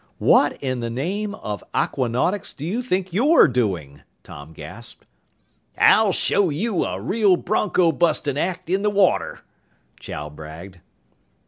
"What in the name of aquanautics do you think you're doing?" Tom gasped. "I'll show you a real broncobustin' act in the water," Chow bragged.